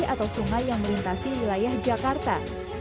atau sungai yang melintasi wilayah jakarta